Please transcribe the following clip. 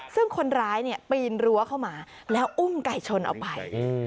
ซึ่งคนร้ายปีนรั้วเข้ามาแล้วอุ้มไก่ชนออกไป